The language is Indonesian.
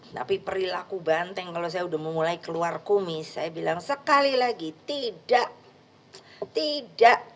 tapi perilaku banteng kalau saya sudah memulai keluar kumis saya bilang sekali lagi tidak tidak